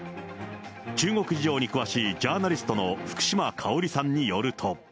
中国事情に詳しいジャーナリストの福島香織さんによると。